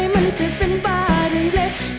มันจะเป็นบ้านึงเล็ก